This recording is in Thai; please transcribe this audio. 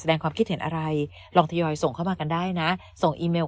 ความคิดเห็นอะไรลองทยอยส่งเข้ามากันได้นะส่งอีเมล